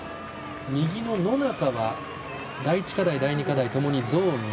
野中が第１課題第２課題ともにゾーン２。